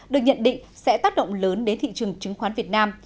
được nhận định sẽ tác động lớn đến thị trường chứng khoán việt nam